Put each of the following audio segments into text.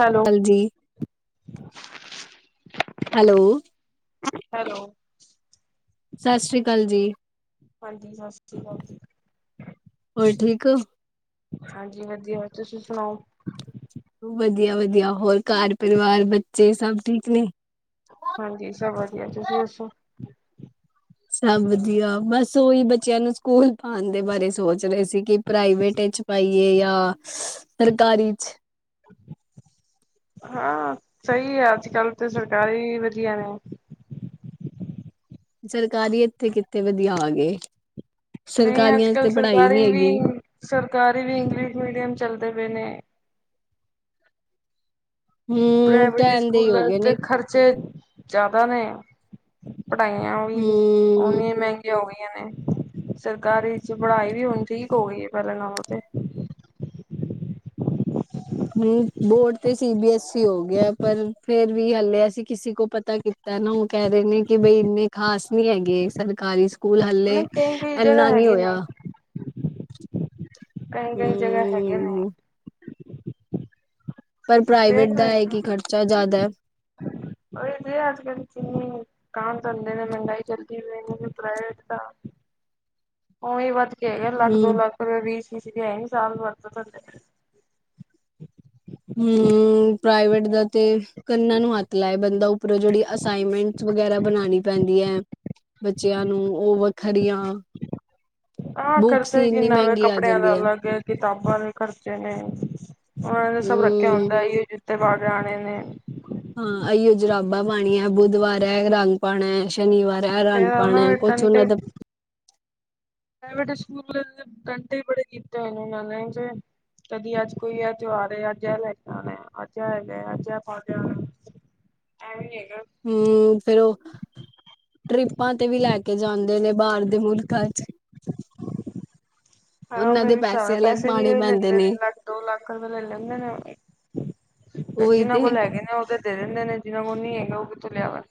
Hello, ਕਾਲ ਜੀ hello, hello, ਸਤਿ ਸ਼੍ਰੀ ਅਕਾਲ ਜੀ, ਹਾਂਜੀ ਸਤਿ ਸ੍ਰੀ ਅਕਾਲ ਜੀ। ਹੋਰ ਠੀਕ ਹੋ? ਹਾਂਜੀ ਵਧੀਆ, ਤੁਸੀਂ ਸੁਣਾਓ? ਵਧੀਆ ਵਧੀਆ, ਹੋਰ ਘਰ ਪਰਿਵਾਰ ਬੱਚੇ ਸਭ ਠੀਕ ਨੇ? ਹਾਂਜੀ ਸਭ ਵਧੀਆ, ਤੁਸੀਂ ਦੱਸੋ? ਸਭ ਵਧੀਆ ਬਸ ਉਹੀ ਬੱਚਿਆਂ ਨੂੰ ਸਕੂਲ ਪਾਉਣ ਦੇ ਬਾਰੇ ਸੋਚ ਰਹੇ ਸੀ ਕਿ ਪ੍ਰਾਈਵੇਟ ਚ ਪਾਈਏ ਜਾਂ ਸਰਕਾਰੀ ਚ, ਹਾਂ ਸਹੀ ਆ ਅੱਜ ਕੱਲ੍ਹ ਤਾਂ ਸਰਕਾਰੀ ਵਧੀਆ ਨੇ, ਸਰਕਾਰੀ ਇੱਥੇ ਕਿੱਥੇ ਵਧੀਆ ਆਗੇ, ਨਹੀਂ ਅੱਜ ਕੱਲ ਸਰਕਾਰੀ ਹੈਗੀ ਵੀ ਸਰਕਾਰੀ ਵੀ ਇੰਗਲਿਸ਼ ਮੀਡੀਅਮ ਚੱਲਦੇ ਪਏ ਨੇ, ਹਮ ਪ੍ਰਾਈਵੇਟ ਕਹਿਣ ਦੇ ਹੀ ਸਕੂਲ ਹੋ ਗਏ ਤੇ ਨੇ ਖਰਚੇ ਜ਼ਿਆਦਾ ਨੇ ਪੜ੍ਹਾਈਆਂ, ਵੀ ਹਮ ਓਨੀਆਂ ਮਹਿੰਗੀਆਂ ਹੋ ਗਈਆਂ ਨੇ, ਸਰਕਾਰੀ ਚ ਪੜ੍ਹਾਈ ਵੀ ਹੁਣ ਠੀਕ ਹੋ ਗਈ ਹੈ, ਪਹਿਲਾਂ ਨਾਲ ਉਹ ਤੇ ਹੂੰ ਬੋਰਡ ਤੇ ਸੀ ਬੀ ਐੱਸ ਈ ਹੋ ਗਿਆ, ਪਰ ਫੇਰ ਵੀ ਹਲੇੇ ਅਸੀਂ ਕਿਸੇ ਕੋ ਪਤਾ ਕਿ ਤਾਂ ਨਾ ਉਹ ਕਹਿ ਰਹੇ ਨੇ ਕਿ ਬਈ ਇੰਨੇ ਖਾਸ ਨਹੀਂ ਹੈਗੇ ਸਰਕਾਰੀ ਸਕੂਲ ਹੱਲੇ ਨਹੀਂ ਕਈ-ਕਈ ਜਗ੍ਹਾ ਇੰਨਾ ਨਹੀਂ ਹੈਗੇ ਨੇ, ਹੋਇਆ। ਕਈ ਕਈ ਜਗ੍ਹਾ ਹੈਗੇ ਨੇ ਹੂੰ ਪਰ ਪ੍ਰਾਈਵੇਟ ਦਾ ਹੈ ਕੀ ਖਰਚਾ ਜ਼ਿਆਦਾ ਉਹ ਇਹ ਤੇ ਹੈ ਅਜ ਕੱਲ ਜਿਨੀ ਵੀ ਕਾਮ ਧੰਦੇ ਨੇ ਮਹਿੰਗਾਈ ਕਰਤੀ ਪ੍ਰਾਈਵੇਟ ਵਿਚ ਤਾਂ [inaudible] ਉਹੀ ਵੱਧ ਕੇ ਹੈਗਾ ਲੱਖ ਦੋ ਹੂੰ ਲੱਖ ਵੀ ਸਾਲ ਵੱ ਹਮ ਪ੍ਰਾਈਵੇਟ ਦਾ ਤੇ ਕੰਨਾਂ ਨੂੰ ਆ, ਤ ਲਏ ਬੰਦਾ ਉਪਰੋਂ ਜਿਹੜੀ ਅਸਾਈਨਮੈਂਟ ਵਗੈਰਾ ਬਣਾਉਣੀ ਪੈਂਦੀ ਹੈ। ਬੱਚਿਆਂ ਨੂੰ ਉਹ ਵੱਖਰੀਆਂ ਹਾਂ ਬੁੱਕਸ ਖਰਚਾ ਹੀ ਇੰਨੀ ਕਿੰਨਾ ਵਾ ਮਹਿੰਗੀ ਆ ਕੱਪੜਿਆਂ ਜਾਂਦੀ ਦਾ ਅਲੱਗ ਹੈ। ਕਿਤਾਬਾਂ ਦੇ ਖਰਚੇ ਨੇ ਉਹਨਾਂ ਨੇ ਸਭ ਰੱਖ ਹੂੰ ਆਉਂਦਾ ਇਹ ਜੁਤੇ ਪਾਕੇ ਆਣੇ ਨੇ, ਹਾਂ ਅਈ ਜਰਾਬਾ ਪਾਣੀ ਹੈ ਬੁੱਧਵਾਰ ਹੈ ਰੰਗ ਪਾਣਾ ਸ਼ਨੀਵਾਰ ਹੈ ਇਹ ਰੰਗ ਫੇਰ ਉਹਨਾਂ ਪਾਉਣਾ ਨੇ ਕੁਛ ਉਹਨਾਂ ਟੰਟੇ ਦਾ ਪ੍ਰਾਈਵੇਟ ਸਕੂਲ ਡੰਟੇ ਹੀ ਬੜੇ ਕੀਤੇ ਉਹਨਾਂ ਨੇ, ਕਦੀ ਅੱਜ ਕੋਈ ਇਹ ਤਿਉਹਾਰ ਅੱਜ ਇਹ ਲੈ ਜਾਣਾ ਅੱਜ ਇਹ ਹੈਗਾ ਅੱਜ ਇਹ ਪਾ ਕੇ ਆ ਨਾ, ਐ ਨੀ ਹੈਗਾ, ਹੂੰ, ਫੇਰ ਉਹ ਟ੍ਰਿਪਾਂ ਤੇ ਵੀ ਲੈ ਕੇ ਜਾਂਦੇ ਨੇ, ਬਾਹਰ ਦੇ ਮੁਲਕਾਂ ਚ, ਹਾਂ ਉਹਨਾਂ ਫੇਰ ਦੇ ਇਸ ਹਿਸਾਬ ਨਾ ਅਲੱਗ ਪੈਸੇ ਵੀ ਪਾਣੇ ਪੈਂਦੇ ਲੈਂਦੇ ਨੇ ਲੱਖ ਦੋ ਲੱਖ ਰੁਪਏ ਲੈ ਲੈਂਦੇ ਨੇ ਫੇਰ ਉਹੀ ਜਿਨਾਂ ਤੇ ਕੋਲ ਹੈਗੇ ਨੇ ਉਹ ਤਾਂ ਦੇ ਦਿੰਦੇ ਨੇ ਜਿਹਨਾਂ ਕੋਲ ਨੀ ਹੈਗੇ ਉਹ ਕਿੱਥੋਂ ਲਿਆਵਨ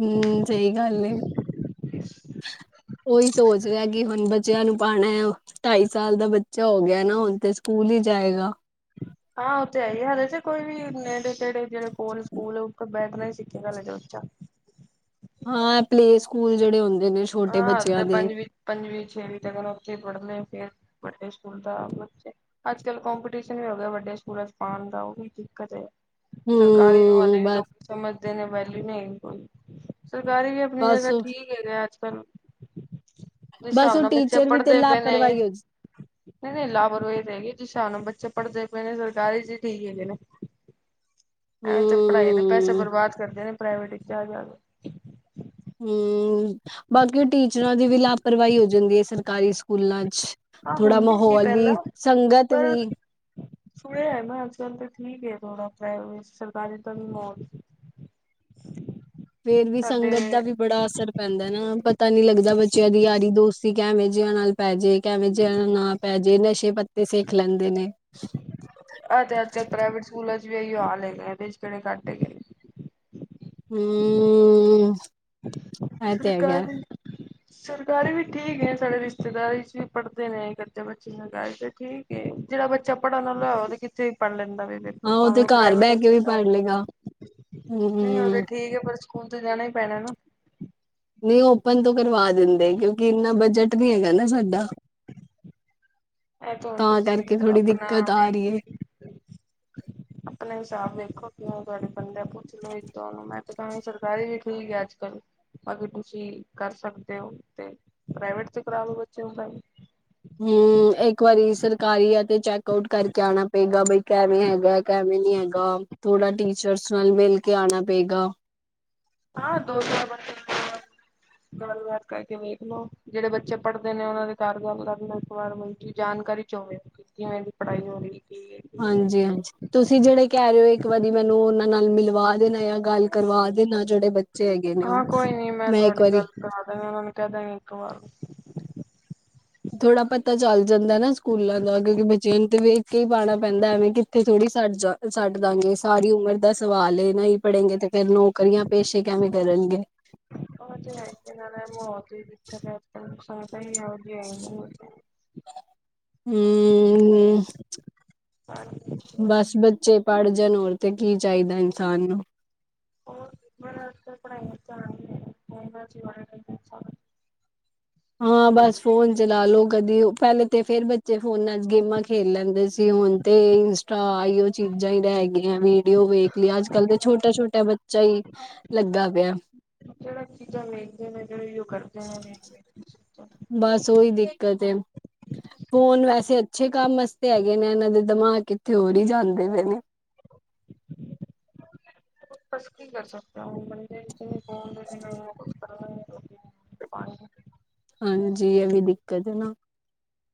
ਹਮ ਸਹੀ ਗੱਲ ਉਹੀ ਸੋਚ ਰਿਹਾ ਕਿ ਹੁਣ ਬੱਚਿਆਂ ਨੂੰ ਪਾਉਣਾ ਹੈ ਢਾਈ ਸਾਲ ਦਾ ਬੱਚਾ ਹੋ ਗਿਆ ਨਾ ਹੁਣ ਤੇ ਸਕੂਲ ਹੀ ਜਾਏਗਾ। ਹਾਂ ਉਹ ਤੇ ਹੈ ਹੀ ਹਲੇ ਚ ਕੋਈ ਵੀ ਨੇੜੇ ਤੇੜੇ ਜਿਹੜੇ ਕੋਲ ਸਕੂਲ ਉੱਥੇ ਬੈਠਣਾ ਹੀ ਸੀ ਕੀ ਗੱਲ ਜੋ ਬੱਚਾ ਹਾਂ ਪਲੇ ਸਕੂਲ ਜਿਹੜੇ ਹੁੰਦੇ ਨੇ ਛੋਟੇ ਹਾਂ ਹਲੇ ਬੱਚਿਆਂ ਤੇ ਦੇ ਪੰਜਵੀ ਪੰਜਵੀਂ ਛੇਵੀਂ ਤੱਕ ਨਾ ਉੱਥੇ ਪੜ੍ਹਨਾ ਫੇਰ ਵੱਡੇ ਸਕੂਲ ਦਾ ਬੱਚੇ ਅੱਜ ਕੱਲ ਕੋਪੀਟੀਸ਼ਨ ਵੀ ਹੋ ਗਿਆ ਵੱਡੇ ਸਕੂਲਾਂ ਚ ਪਾਉਣ ਦਾ ਉਹ ਹੀ ਦਿੱਕਤ ਹੈ। ਸਰਕਾਰੀ ਨੂੰ ਹਾਲੇ ਹੂੰ ਵੀ ਬਸ ਲੋਕੀ ਸਮਝਦੇ ਨੇ ਵੈਲੂ ਨਹੀਂ ਹੈਗੀ ਕੋਈ, ਸਰਕਾਰੀ ਵੀ ਆਪਣੀ ਬਸ ਜਗ੍ਹਾ ਠੀਕ ਹੈਗਾ ਅੱਜ ਕੱਲ, ਜਿਸ ਬਸ ਹਿਸਾਬ ਉਹ ਨਾਲ ਬੱਚੇ ਟੀਚਰ ਵੀ ਤੇ ਪੜ੍ਹਦੇ ਪਏ ਨੇ ਲਾਪਰਵਾਹੀ ਹੋ ਨਹੀਂ ਨਹੀਂ ਲਾਪਰਵਾਹੀ ਨਹੀ ਹੈਗੀ, ਜਿਸ ਹਿਸਾਬ ਨਾਲ ਬੱਚੇ ਪੜ੍ਹਦੇ ਪਏ ਨੇ ਸਰਕਾਰੀ ਚ ਹੀ ਠੀਕ ਹੈ ਨਾ ਐ ਤੇ ਪੜਾਈਆਂ ਦੇ ਪੈਸੇ ਹੂੰ ਬਰਬਾਦ ਕਰਦੇ ਨੇ ਪ੍ਰਾਈਵੇਟ ਵਿੱਚ ਆ ਜਾਣ ਹਮ, ਬਾਕੀ ਉਹ ਟੀਚਰਾਂ ਦੀ ਵੀ ਲਾਪਰਵਾਹੀ ਹੋ ਜਾਂਦੀ ਹੈ ਸਰਕਾਰੀ ਸਕੂਲ ਸਕੂਲਾਂ 'ਚ ਹਾਂ ਥੋੜਾ ਹੁੰਦੀ ਸੀ ਮਾਹੌਲ ਵੀ, ਪਹਿਲਾਂ ਸੰਗਤ ਪਰ ਵੀ ਸੁਣਿਆ ਮੈਂ ਅੱਜ ਕੱਲ ਤਾਂ ਠੀਕ ਹੈ ਥੋੜਾ ਪ੍ਰਾਈਵੇਟ, ਸਰਕਾਰੀ ਦਾ ਮਾਹੌਲ ਫੇਿਰ ਵੀ ਸਾਡੇ ਸੰਗਤ ਦਾ ਵੀ, ਬੜਾ ਅਸਰ ਪੈਂਦਾ ਨਾ, ਪਤਾ ਨੀ ਲੱਗਦਾ ਬੱਚਿਆਂ ਦੀ ਯਾਰੀ ਦੋਸਤੀ ਕਿਵੇਂ ਜਿਆ ਨਾਲ ਪੈ ਜੇ ਕਿਵੇ ਜਿਆ ਨਾਲ ਪੈ ਜੇ, ਨਸ਼ੇ ਪੱਤੇ ਸਿੱਖ ਲੈਂਦੇ ਨੇ ਆਹ ਤੇ ਅੱਜ ਕੱਲ੍ਹ ਪ੍ਰਾਈਵੇਟ ਸਕੂਲਾਂ ਚ ਵੀ ਇਹੀ ਹਾਲ ਹੈਗਾ, ਇਹਦੇ ਚ ਕਿਹੜੇ ਘੱਟ ਹੈਗਾ ਏ ਹਮ ਸਰਕਾਰੀ- ਸਰਕਾਰੀ ਵੀ ਠੀਕ ਹੈ, ਸਾਡੇ ਰਿਸ਼ਤੇਦਾਰਾਂ ਵੀ 'ਚ ਪੜ੍ਹਦੇ ਨੇ ਇਕ ਅੱਧੇ ਬੱਚੇ ਸਰਕਾਰੀ ਤਾਂ ਠੀਕ ਜਿਹੜਾ ਬੱਚਾ ਪੜ੍ਹਨ ਵਾਲਾ ਹੋਏ ਉਹ ਤੇ ਕਿੱਤੇ ਪੜ੍ਹ ਲੈਂਦਾ ਹਾਂ ਭਾਵੇਂ ਤੇ ਉਹ ਘਰ ਪ੍ਰਾਈਵੇਟ ਬਹਿ ਹੋਵੇ ਕੇ ਜਾ ਵੀ ਪੜ ਸਰਕਾਰੀ, ਲਏਗਾ। ਉਹ ਤੇ ਹੂੰ, ਠੀਕ ਹੈ ਪਰ ਸਕੂਲ ਤੇ ਜਾਣਾ ਹੀ ਪੈਣਾ ਨਾ ਨਹੀਂ ਓਪਨ ਤੋਂ ਕਰਵਾ ਦਿੰਦੇ, ਕਿਉਂਕਿ ਇੰਨਾ ਬਜਟ ਨਹੀ ਹੈਗਾ ਨਾ ਸਾਡਾ ਇਹ ਤੇ ਹੁਣ ਤਾਂ ਤੁਸੀਂ ਕਰਕੇ ਥੋੜ੍ਹੀ ਆਪਣਾ ਦਿੱਕਤ ਆ ਵੇਖ ਰਹੀ ਹੈ। ਕੇ, ਆਪਣੇ ਹਿਸਾਬ ਵੇਖੋ ਕਿਂ ਤੁਹਾਡੇ ਬੰਨਦੇ ਆਂ, ਪੁੱਛ ਲੋੋ ਇੱਕ ਦੋ ਨੂੰ ਮੈਂ ਤੇ ਕਹਾਂਗੀ ਸਰਕਾਰੀ ਵੀ ਠੀਕ ਹੈ ਅੱਜ ਕੱਲ੍ਹ। ਅੱਗੇ ਤੁਸੀਂ ਕਰ ਸਕਦੇ ਹੋ ਤੇ, ਪ੍ਰਾਈਵੇਟ ਤੇ ਕਰਾਵੋ ਬੱਚੇ ਨੂੰ ਪੜਾਈ। ਹਮ, ਇੱਕ ਵਾਰੀ ਸਰਕਾਰੀ ਆ ਤੇ ਚੈਕ ਆਊਟ ਕਰਕੇ ਆਉਣਾ ਪਏਗਾ ਬਈ ਕਿਵੇਂ ਹੈਗਾ। ਕੈਵੇਂ ਨੀ ਹੈਗਾ, ਥੋੜ੍ਹਾ ਟੀਚਰਸ ਨਾਲ ਮਿਲ ਕੇ ਆਉਣਾ ਪਏਗਾ। ਹਾਂ ਦੋ ਚਾਰ ਵਾਰ ਗੱਲਬਾਤ ਕਰਕੇ ਵੇਖ ਲਓ, ਜਿਹੜੇ ਬੱਚੇ ਪੜ੍ਹਦੇ ਨੇ ਉਹਨਾਂ ਦੇ ਘਰ ਗੱਲ ਕਰ ਲਓ ਇੱਕ ਵਾਰ ਬਾਈ ਕਿ ਜਾਣਕਾਰੀ ਚੋ ਹੋਵੇ, ਕਿਵੇਂ ਦੀ ਪੜ੍ਹਾਈ ਹੋ ਰਹੀ ਕੀ ਹੈ ਕੀ ਨਹੀਂ ਹਾਂਜੀ ਹਾਂਜੀ- ਤੁਸੀਂ ਜਿਹੜੇ ਕਹਿ ਰਹੇ ਹੋ ਇੱਕ ਵਾਰੀ ਮੈਨੂੰ ਉਹਨਾਂ ਨਾਲ ਮਿਲਵਾ ਦੇਣਾ ਜਾਂ ਗੱਲ ਕਰਵਾ ਦੇਣਾ, ਜਿਹੜੇ ਬੱਚੇ ਹੈਗੇ ਨੇ ਉਹ ਹਾਂ ਕੋਈ ਨੀ ਮੈਂ ਇੱਕ ਤੁਹਾਡੀ ਵਾਰੀ ਗੱਲ ਕਰਵਾ ਦਾਂਗੀ, ਉਹਨਾਂ ਨੂੰ ਕਹਿ ਦਾਂਗੀ ਇੱਕ ਵਾਰ ਥੋੜਾ ਪਤਾ ਚੱਲ ਜਾਂਦਾ ਨਾ ਸਕੂਲਾਂ ਦਾ, ਕਿਉਂਕਿ ਬੱਚਿਆਂ ਨੂੰ ਤੇ ਵੇਖ ਕੇ ਪਾਉਣਾ ਪੈਂਦਾ, ਐਵੇਂ ਕਿੱਥੇ ਥੋੜੀ ਛੱਡ ਜਾ ਛੱਡ ਦਾਂਗੇ ਸਾਰੀ ਉਮਰ ਦਾ ਸਵਾਲ ਏ, ਨਹੀਂ ਪੜੇਗੇਂ ਤੇ ਫੇਰ ਨੌਕਰੀਆਂ ਪੇਸ਼ੇ ਕਿਵੇਂ ਕਰਨਗੇ। ਉਹ ਤੇ ਹੈ ਹੀ ਹ ਨਾਲੇ ਮਾਹੌਲ ਦੀ ਦਿੱਕਤ ਹੈ ਇਸ ਟਾਈਮ, ਸੰਗਤ ਹੀ ਐਵੇਂ ਦੀ ਮੰਗਿਆਈ ਬਹੁਤ ਹ ਹਮ। ਸਾਰੇ ਬੱਚੇ ਬਸ ਬੱਚੇ ਪੜ ਜਾਣ ਹੋਰ ਤੇ ਕੀ ਚਾਹੀਦਾ ਇਨਸਾਨ ਨੂੰ। [unintelligible] ਹੋਰ ਹਾਂ ਬਸ, ਫੋਨ ਚਲਾ ਲੋਓ ਕਦੀ ਪਹਿਲੇ ਤੇ ਫੇਰ ਬੱਚੇ ਫੋਨਾਂ ਚ ਗੇਮਾਂ ਖੇਲ ਲੈਂਦੇ ਸੀ ਹੁਣ ਤੇ ਇੰਸਟਾ ਆਈੳ ਚੀਜ਼ਾਂ ਹੀ ਰਹਿ ਗਈਆਂ ਵੀਡੀਓ ਵੇਖ ਲੋ ਅੱਜ ਕੱਲ੍ਹ ਤੇ ਛੋਟਾ ਛੋਟਾ ਬੱਚਾ ਹੀ ਲੱਗਾ ਪਿਆ। ਜਿਹੜੀ ਚੀਜ਼ਾਂ ਵੇਖਦੇ ਨੇ ਫੇਰ ਉਹ ਕਰਦੇ ਨੇ। ਵੇਖ-ਵੇਖ ਕੇ ਚੀਜ਼ਾਂ ਬਸ ਉਹੀੳ ਦਿੱਕਤ ਹੈ। ਫੋਨ ਵੈਸੇ ਅੱਛੇ ਕੰਮ ਵਾਸਤੇ ਹੈਗੇ ਨੇ, ਇਹਨਾਂ ਦੇ ਦਿਮਾਗ ਕਿਥੇ ਹੋਰ ਹੀ ਜਾਂਦੇ ਪਏ ਨੇ। ਬਸ ਕੀ ਕਰ ਸਕਦੇ ਹੋ ਬੰਦੇੇ ਹਾਂਜੀ ਇਹ ਵੀ ਦਿੱਕਤ ਹੈ ਨਾ।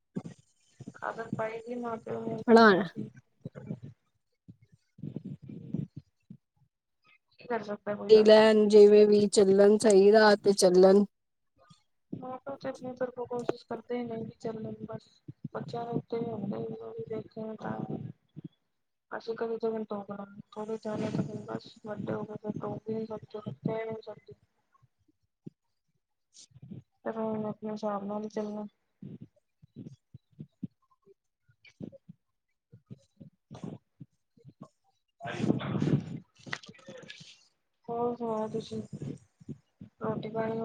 [unintelligible] ਆਦਤ ਨੇ ਆਪਣੇ ਹਣਾ? ਆਪ ਹੀ ਕੀ ਕਰ ਸਕਦੇ। ਲੈਣ ਜਿਵੇਂ ਵੀ ਚੱਲਣ ਸਹੀ ਰਾਹ ਤੇ ਚੱਲਣ ਆ ਤਾਂ ਤੇ ਆਪਣੇ ਤਰਫ ਕੋਸ਼ਿਸ਼ ਕਰਦੇ ਹੀ ਨਹੀਂ ਵੀ ਚੱਲ ਬਸ। ਬੱਚਾ ਦੇ ਉੱਤੇ ਵੀ ਦੇਖੇ ਤਾਂ। [unintelligible] ਅਸੀਂ ਕਦੇ ਜੋਗਰਾ ਥੋੜੇ ਜਾਣੇ ਬ ਵੱਡੇ ਹੋਕੇ [unintelligible] ਪਰ ਹੁਣ ਆਪਣੇ ਹਿਸਾਬ ਨਾਲ ਹੀ ਚੱਲਣਾ। [unintelligible] ਹੋਰ ਸੁਣਾਓ ਤੁਸੀਂ ਰੋਟੀ ਪਾਣੀ?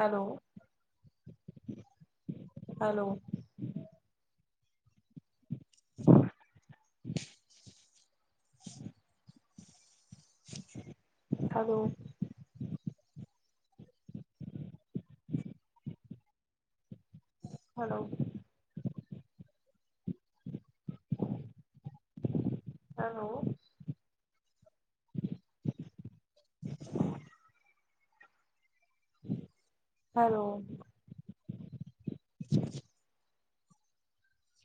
Hello hello? Hello? Hello? Hello, hello?